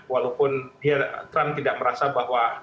walaupun trump tidak merasa bahwa